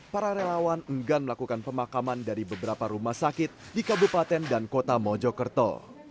para relawan enggan melakukan pemakaman dari beberapa rumah sakit di kabupaten dan kota mojokerto